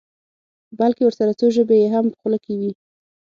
بلکې ورسره څو ژبې یې هم په خوله کې وي.